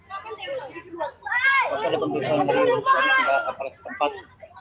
apakah satu koordinasi yang dilakukan oleh otoritas tempat